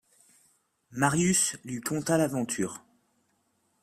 Marius lui conta l’aventure.